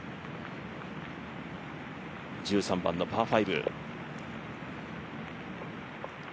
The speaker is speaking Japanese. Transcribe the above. １３番のパー５。